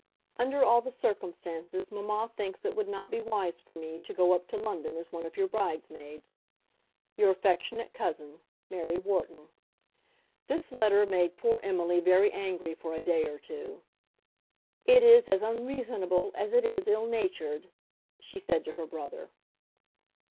Under all the circumstances mamma thinks it would not be wise for me to go up to London as one of your bridesmaids. Your affectionate Cousin, MARY WHARTON. This letter made poor Emily very angry for a day or two. "It is as unreasonable as it is ill natured," she said to her brother.